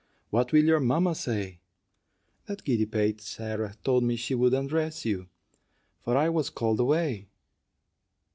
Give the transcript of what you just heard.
What will your mamma say? That giddy pate Sarah told me she would undress you, for I was called away."